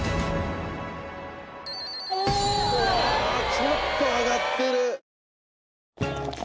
ちょっと上がってる！